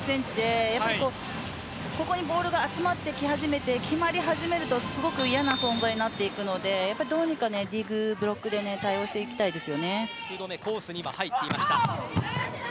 ここにボールが集まってき始めて決まり始めるとすごく嫌な存在になっていくのでどうにかディグブロックで対応したいです。